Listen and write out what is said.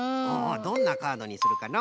どんなカードにするかの？